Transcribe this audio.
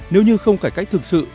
nếu như không cải cách thực sự